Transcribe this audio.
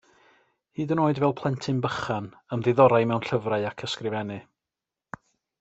Hyd yn oed fel plentyn bychan ymddiddorai mewn llyfrau ac ysgrifennu.